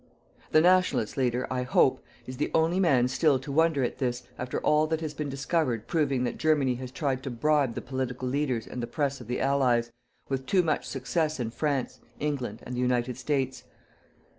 The Nationalist leader, I hope, is the only man still to wonder at this, after all that has been discovered proving what Germany has tried to bribe the political leaders and the press of the Allies, with too much success in France, England and the United States.